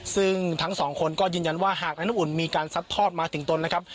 ซึ่งทั้งสองคนก็ยืนยันว่าหากนายน้ำอุ่นมีการซัดทอดมาถึงตนนะครับ